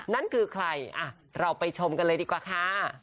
นั่นคือใครเราไปชมกันเลยดีกว่าค่ะ